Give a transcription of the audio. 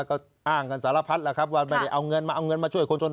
ก็อ้างกันสารพัฒน์ล่ะครับว่าไม่ได้เอาเงินมาช่วยคนชน